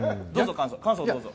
感想をどうぞ。